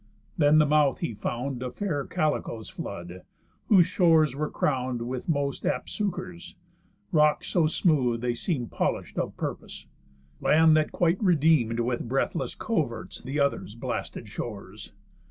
Then the mouth he found Of fair Callicoe's flood, whose shores were crown'd With most apt succours: rocks so smooth they seem'd Polish'd of purpose; land that quite redeem'd With breathless coverts th' others' blasted shores.